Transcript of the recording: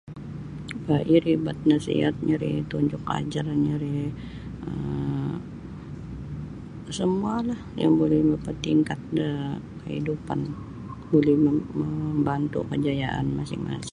Bah iri bat nasihatnyo ri tunjuk ajarnyo ri um samualah yang buli mapatingkat da kaidupan buli mam mambantu' kejayaan masing-masing.